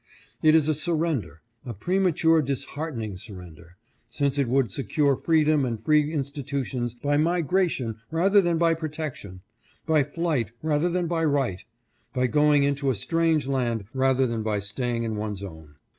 It is a surrender, a premature disheartening surrender, since it would secure freedom and free institutions by migration rather than by protection, by flight rather than by right, by going into a strange land rather than by staying in one's own.